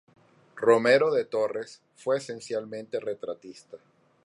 Romero de Torres fue esencialmente retratista.